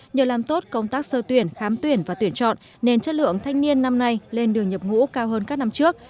nhờ làm tốt công tác sơ tuyển khám tuyển và tuyển chọn nên chất lượng thanh niên năm nay lên đường nhập ngũ cao hơn các năm trước